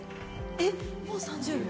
えっもう３０秒？